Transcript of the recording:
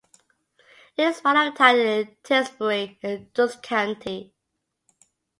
It is part of the Town of Tisbury, in Dukes County.